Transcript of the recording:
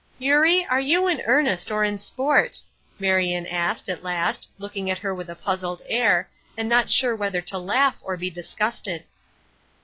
"Eurie, are you in earnest or in sport?" Marion asked, at last, looking at her with a puzzled air, and not sure whether to laugh or be disgusted.